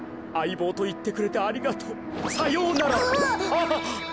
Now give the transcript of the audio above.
あっ。